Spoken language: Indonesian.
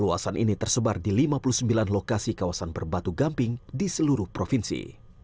luasan ini tersebar di lima puluh sembilan lokasi kawasan berbatu gamping di seluruh provinsi